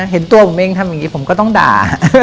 เห็นตัวผมเองทำอย่างนี้ผมก็ต้องด่า